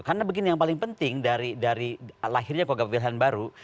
karena begini yang paling penting dari lahirnya kgp wilhan baru